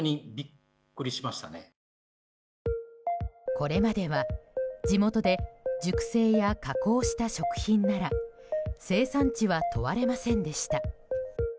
これまでは地元で熟成や加工した食品なら生産地は問われませんでした。